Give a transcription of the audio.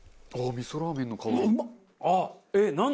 味噌ラーメンだ！